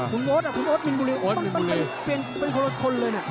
คุณโอดคุณโอดมินบุรีเปลี่ยนเป็นคนเลยนะ